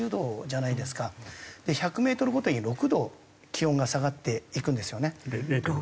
１００メートルごとに６度気温が下がっていくんですよね。